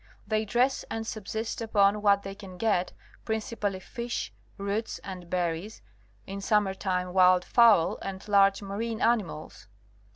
'They dress and subsist upon what they can get, principally fish, roots and berries, in summer time wild fowl and large marine animals.